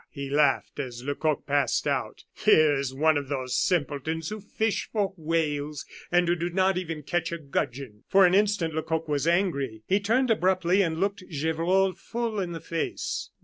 he laughed, as Lecoq passed out, "here is one of those simpletons who fish for whales and do not catch even a gudgeon." For an instant Lecoq was angry. He turned abruptly and looked Gevrol full in the face.